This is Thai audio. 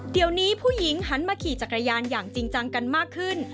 เดี๋ยวนี้ผู้หญิงหันมาขี่จักรยานอย่างจริงจังกันมากขึ้น